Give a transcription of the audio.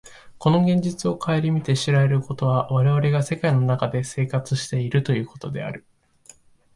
この現実を顧みて知られることは、我々が世界の中で生活しているということである。